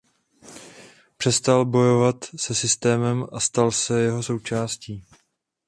Přestal bojovat se systémem a stal se jeho součástí.